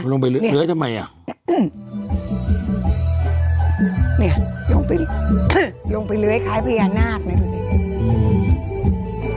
ลงไปเลื้อยเลื้อยทำไมลงไปเลื้อยคล้ายพญานาฆนี่ดูสิ